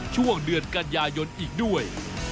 ช่วงเดือนกันยายนอีกด้วย